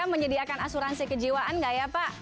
menyediakan asuransi kejiwaan nggak ya pak